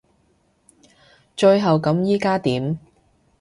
最後咁依家點？